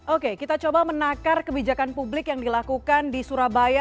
oke kita coba menakar kebijakan publik yang dilakukan di surabaya